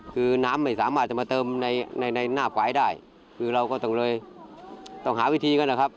คือน้ำไม่สามารถจะมาเติมในในหน้าฝ่ายได้คือเราก็ต้องเลยต้องหาวิธีกันนะครับ